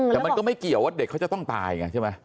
แต่มันก็ไม่เกี่ยวว่าเด็กเขาจะต้องตายไงใช่ไหม